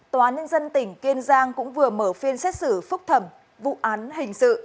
tòa án nhân dân tỉnh kiên giang cũng vừa mở phiên xét xử phúc thẩm vụ án hình sự